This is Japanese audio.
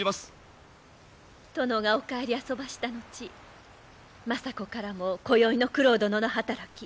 殿がお帰りあそばした後政子からもこよいの九郎殿の働き